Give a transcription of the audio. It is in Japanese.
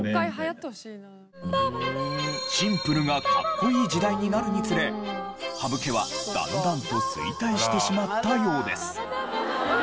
シンプルがかっこいい時代になるにつれハブ毛はだんだんと衰退してしまったようです。